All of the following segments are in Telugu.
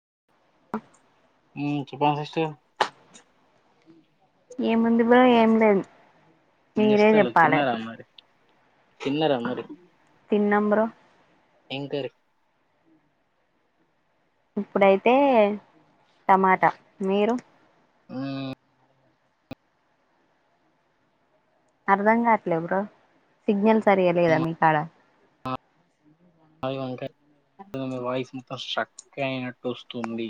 [unintelligible] చెప్పల సిస్టర్ ఏం ఉంది బ్రో ఏం లేదు ఏం మీరే చేస్తాలు చెప్పాలె తిన్నారా మరి తిన్నారా మరి తిన్నం బ్రో ఎం కర్రి ఇప్పుడైతే టమాటా మీరు ఉమ్ అర్ధం కాట్లే బ్రో సిగ్నల్ సరిగలేదా మీ కాడ మాది వంకాయ్ మీ వాయిఫ్ ఫస్ స్ట్రక్ అయినట్టు వస్ తుంది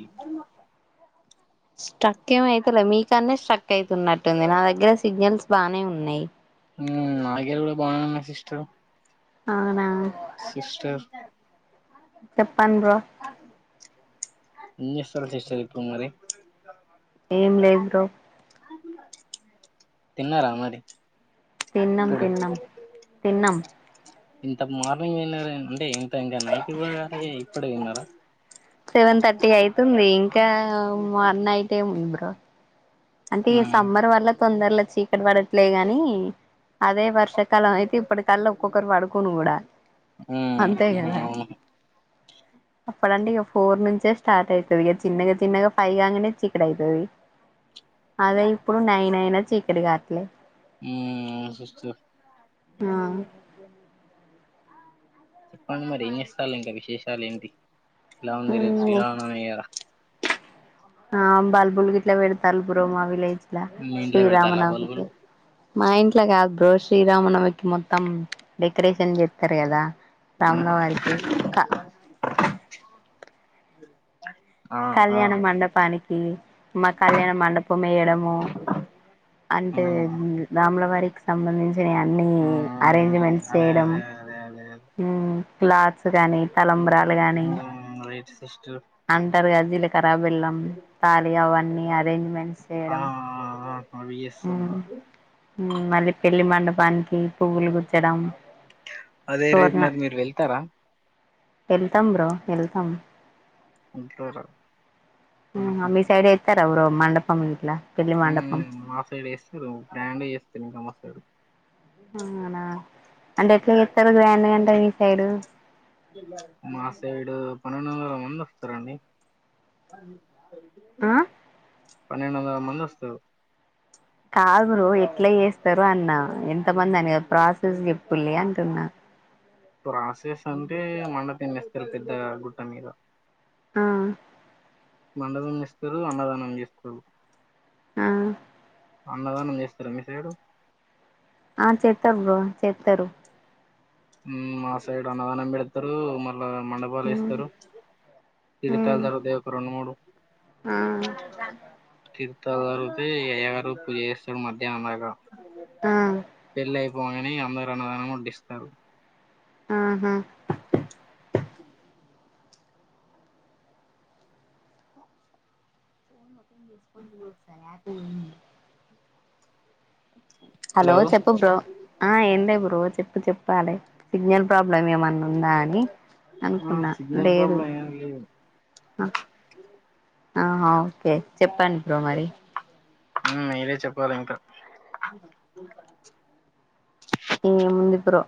స్ట్రక్ ఏమ్ అయితలే మీ కాడ్నే స్ట్రక్ అయితున్నట్టుంది నా దగ్గర సిగ్నల్స్ బానే ఉన్నాయి నా దగ్గర కూడా బానే ఉన్నాయి సిస్టర్ అవునా సిస్టర్ చెప్పండి బ్రో ఎం జేస్తరు సిస్టర్ ఇప్పుడు మరి ఏం లేదు బ్రో తిన్నారా మరి తిన్నం ఇప్పుడు తిన్నం తిన్నం ఇంత మార్నింగ్ తిన్నార అంటే ఇంత ఇంగ నైట్ గూడ గాలె ఇప్పడె తిన్నర సెవెన్ థర్టీ అయితుంది ఇంకా మార్ నైట్ ఏమి బ్రో అంటే ఉమ్ సమ్మర్ వల్ల తొందర్లో చీకటి పడట్లే గాని అదే వర్షాకాలం అయితే ఇప్పటి కళ్ళ ఒక్కొక్కరు పడుకోను కూడా మ్మ్ అంతే కదా అవును అప్పుడంటే ఇగ ఫోర్ నుంచే స్టార్ట్ అయితది ఇగ చిన్నగా చిన్నగా ఫైవ్ కాగానే ఎక్కడైతది అదే ఇప్పుడు నైన అయినా చీకటి గాట్లే మ్మ్ సిస్టర్ ఆ జెప్పండి మరి ఎంజేస్తలే ఇంక విశేషాలు ఏంటి ఎలా ఉంది రేపు మ్ శ్రీరామ నవమి కదా ఆ బల్బులు గిట్ల పెడతాను బ్రో మా విలేజ్లా మీ ఇంట్లో పెడతాలా బల్గులు శ్రీరామనవమికి మా ఇంట్లో కాదు బ్రో శ్రీరామనవమికి మొత్తం డెకరేషన్ జెత్తరు కదా రాముల వారికి ఇంక ఆ ఆ కళ్యాణ మండపానికి మా కళ్యాణ మండపం ఎయ్యడము ఆ అంటే రాముల వారికి సంబంధించినవి అన్ని ఆ అరేంజ్మెంట్స్ అదే చేయడం అదే అదే అదే మ్మ్ క్లాత్స్ గానీ తలంబ్రాలు గానీ ఉమ్ రైట్ సిస్టర్ అంటారు జీలకర్ర బెల్లం తాళి అవన్నీ అరేంజ్మెంట్స్ ఆ చేయడం అవి ఇస్తున్నరు మళ్ళీ పెళ్లి మండపానికి పువ్వులు గుచ్చడం అదే రేపు మరి మీరు వెళ్తారా ఎళ్తాం బ్రో ఎళ్తాం ఎళ్తర మ్ మీ సైడ్ ఎత్తర బ్రో మండపం ఇట్లా పెళ్లి మండపం మ్మ్ మా సైడ్ ఎస్తారు గ్రాండ్ ఎస్తారు ఇంక మాసైడు అవునా అంటే ఎట్లా చెస్తరు గ్రాండ్ గంటే మీ సైడు మా సైడు పన్నెండోందల మంది వస్తారండి ఆ పన్నెండొందల మంది వస్తారు కాదు బ్రో ఎట్ల చేస్తారు అన్నా ఎంతమంది అని ప్రస ఎప్పుడు లే అంటున్నా ప్రాసెస్ అంటే మండపం ఏస్తారు పెద్ద గుట్ట మీద ఆ మండపం ఎస్తరు అన్నదానం చేస్తారు ఆ అన్నదానం చేస్తారా మీ సైడు ఆ చేత్తరు బ్రో చెత్తరు మా సైడ్ అన్నదానం పెడతారు మళ్ళా మండపాలు మ్మ్ వేస్తారు తి మ్మ్ తల్తారు ఒక రెండు మూడు ఆ తీర్థాలురుతే ఎ ఎగరు పూజ చేస్తాడు మధ్యాహ్నం దాకా ఆ పెళ్ళయి పొంగనే అందరు అన్నదానం వడ్డిస్తారు అ హా చూసుకొని పో ఒకసారి ఆపిల్ ఉంది హలో చెప్పు బ్రో ఆ ఏం లే బ్రో చెప్పు చెప్పాలి సిగ్నల్ ప్రాబ్లం ఏమన్నా ఉందా అని అనుకున్నా సిగ్నల్ లేదు ప్రాబ్లం ఏం లేదు ఆ హ ఓకే చెప్పండి బ్రో మరి మ్ మీరే చెప్ అ ఎం ఉంది బ్రో